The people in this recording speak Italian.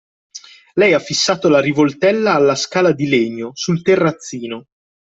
Lei ha fissato la rivoltella alla scala di legno, sul terrazzino